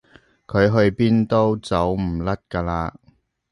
佢去邊都走唔甩㗎啦